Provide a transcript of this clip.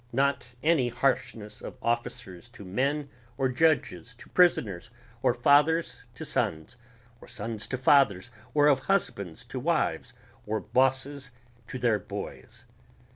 not any harshness of officers to men or judges to prisoners or fathers to sons or sons to fathers or of husbands to wives or bosses to their boys